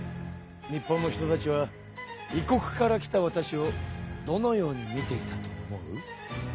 日本の人たちは異国から来たわたしをどのように見ていたと思う？